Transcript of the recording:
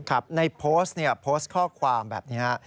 ครับในโพสต์โพสต์ข้อความแบบนี้ฮะ